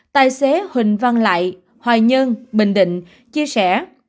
tài xế huỳnh văn lại hoài nhơn bình định chia sẻ